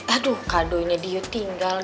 aduh kato diaas